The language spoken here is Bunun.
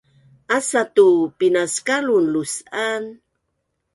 asa tu pinaskalun lus’an